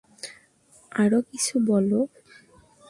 আরো কিছু বলো।